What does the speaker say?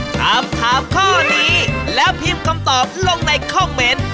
ถามถามข้อนี้แล้วพิมพ์คำตอบลงในคอมเมนต์